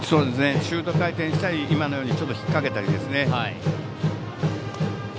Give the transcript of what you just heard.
シュート回転したり今のようにちょっと引っ掛けたりですね。